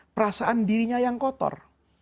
perasaan dirinya yang kotor